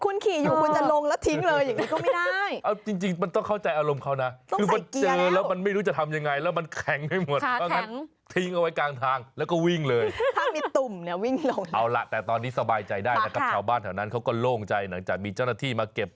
คุณขี่อยู่คุณจะลงแล้วทิ้งเลยอย่างนี้ก็ไม่ได้